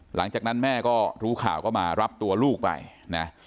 หลังจากนั้นแม่ก็รู้ข่าวก็มารับตัวลูกไปนะ